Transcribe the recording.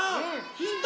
ヒント